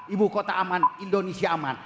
ibu kota aman indonesia aman